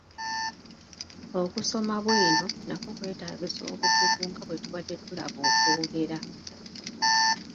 Okusoma bwiino nakwo kwetaagisa obukugu nga bwe tubadde tulaba okwogera.